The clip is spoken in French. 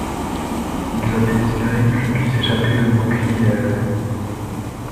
Ils avaient espéré que je puisse échapper aux moqueries et à la haine.